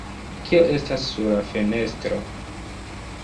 Kio estas sur la fenestro?